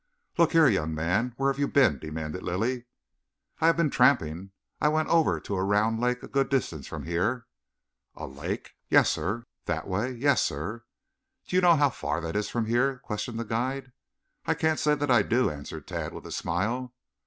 "Look here, young man, where have you been?" demanded Lilly. "I have been tramping. I went over to a round lake a good distance from here." "A lake?" "Yes, sir." "That way?" "Yes, sir." "Do you know how far that is from here?" questioned the guide. "I can't say that I do," answered Tad with a smile.